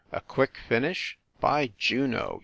A quick finish? By Juno!